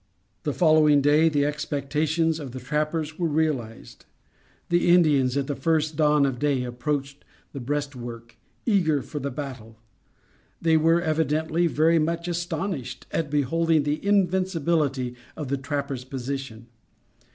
The following day the expectations of the trappers were realized. The Indians, at the first dawn of day, approached the breastwork, eager for the battle. They were, evidently, very much astonished at beholding the invincibility of the trappers' position.